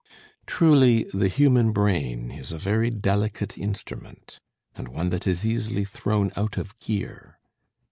"Truly, the human brain is a very delicate instrument, and one that is easily thrown out of gear.